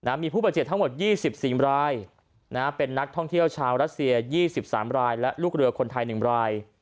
มีผู้บาดเจ็บทั้งหมด๒๔รายเป็นนักท่องเที่ยวชาวรัสเซีย๒๓รายและลูกเรือคนไทย๑ราย